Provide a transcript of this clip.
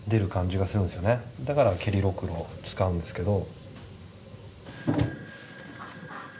だから蹴りろくろを使うんですけど。